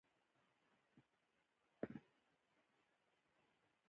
په افغانستان کې لوړ پابندي غرونه په ډېر شمېر شتون لري.